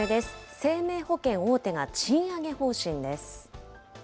生命保険大手が賃上げ方針です。